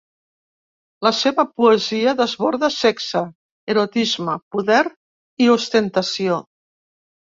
La seva poesia desborda sexe, erotisme, poder i ostentació.